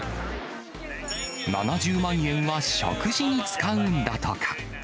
７０万円は食事に使うんだとか。